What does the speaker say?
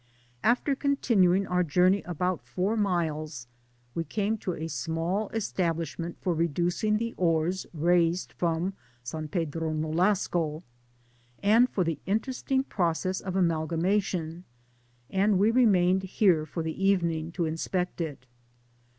After continuing our journey about four miles, we came to a small establishment for reducing the ores raised from San Pedro Nolasco, and for the in teresting process of amalgamation, and we remained here for the evening to inspect it.